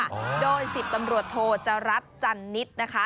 จังหวัดชุมพรค่ะโดย๑๐ตำรวจโทจรัฐจันนิษฐ์นะคะ